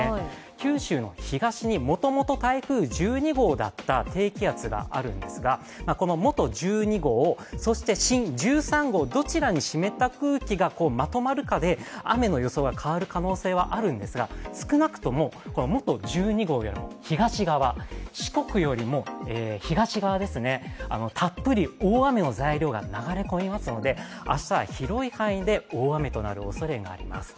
九州の東にもともと台風１２号だった低気圧があるんですが、この元１２号、そして新１３号、どちらに湿った空気がまとまるかで雨の予想が変わる可能性はあるんですが、少なくとも元１２号より東側、四国よりも東側にたっぷり大雨の材料が流れ込みますので明日は広い範囲で大雨となるおそれがあります